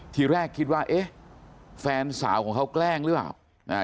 ทีแรกคิดว่าเอ๊ะแฟนสาวของเขาแกล้งหรือเปล่า